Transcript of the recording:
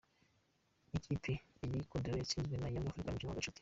Ikipe Yagikundiro yatsinzwe na Yanga Afurika mu mukino wa gicuti.